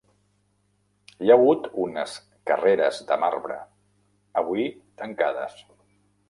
Hi ha hagut unes carreres de marbre, avui tancades.